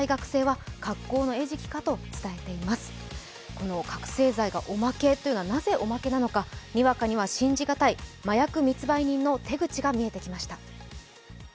この覚醒剤がおまけというのは、なぜおまけなのか、にわかには信じがたい麻薬密売人の手口が見えてきました。